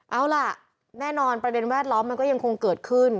เอาล่ะแน่นอนประเด็นแวดล้อมมันก็ยังคงเกิดขึ้น